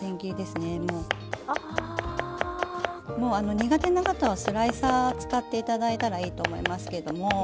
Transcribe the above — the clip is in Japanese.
苦手な方はスライサー使っていただいたらいいと思いますけども。